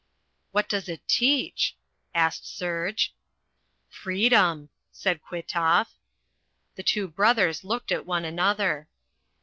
"What does it teach?" asked Serge. "Freedom!" said Kwitoff. The two brothers looked at one another.